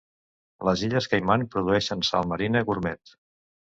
Les Illes Caiman produeixen sal marina gurmet.